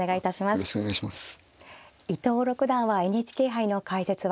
よろしくお願いします。